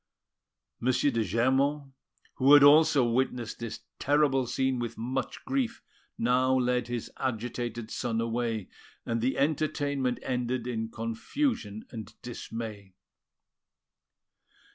M. de Germont, who had also witnessed this terrible scene with much grief, now led his agitated son away; and the entertainment ended in confusion and dismay.